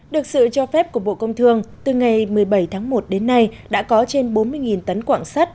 được sự cho phép của bộ công thương từ ngày một mươi bảy tháng một đến nay đã có trên bốn mươi tấn quạng sắt